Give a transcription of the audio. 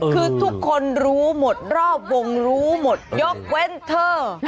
คือทุกคนรู้หมดรอบวงรู้หมดยกเว้นเธอ